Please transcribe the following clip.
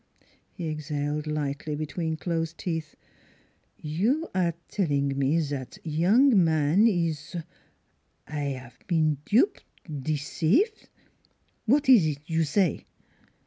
"Ah h h!" he exhaled lightly between closed teeth. ' You aire telling me zat young man ees I 'ave been dupe deceive? Wat ees zis you say?"